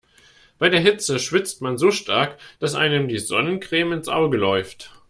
Bei der Hitze schwitzt man so stark, dass einem die Sonnencreme ins Auge läuft.